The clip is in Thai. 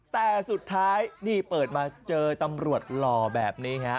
แต่สุดท้ายนี่เปิดมาเจอตำรวจหล่อแบบนี้ฮะ